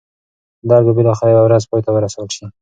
درد به بالاخره یوه ورځ پای ته ورسول شي.